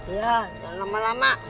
iya jangan lama lama